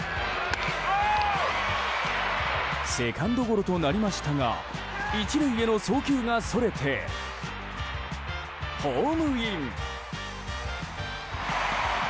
セカンドゴロとなりましたが１塁への送球がそれてホームイン！